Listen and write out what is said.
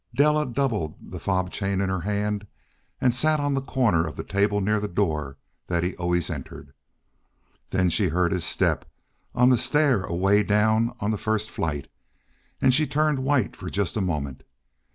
Della doubled the fob chain in her hand and sat on the corner of the table near the door that he always entered. Then she heard his step on the stair away down on the first flight, and she turned white for just a moment.